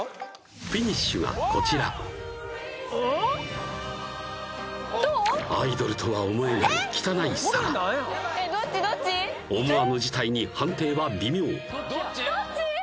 ＦＩＮＩＳＨがこちらアイドルとは思えない汚い皿思わぬ事態に判定は微妙どっち？